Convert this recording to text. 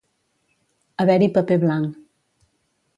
Haver-hi paper blanc.